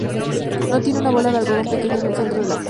No tiene una bola de algodón pequeña en el centro de la flor.